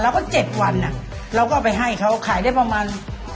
เราก็เอาไปให้เขาขายได้ประมาณ